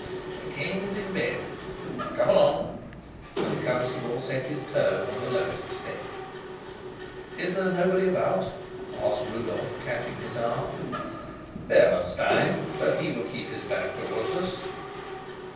"The king is in bed. Come along," and the constable set his toe on the lowest step. "Is there nobody about?" asked Rudolf, catching his arm. "Bernenstein; but he will keep his back toward us."